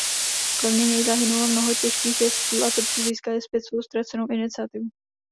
Kromě něj zahynulo mnoho těžkých jezdců a Turci získali zpět svou ztracenou iniciativu.